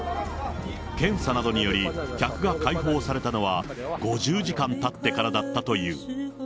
検査などにより、客が解放されたのは、５０時間たってからだったという。